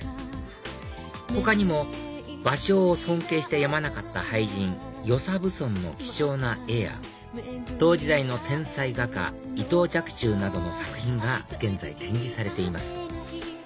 他にも芭蕉を尊敬してやまなかった俳人与謝蕪村の貴重な絵や同時代の天才画家伊藤若冲などの作品が現在展示されています